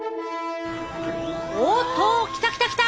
おっと！来た来た来た！